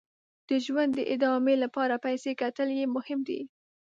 د ژوند د ادامې لپاره پیسې ګټل یې مهم دي.